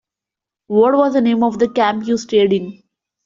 What was the name of the camp you stayed in?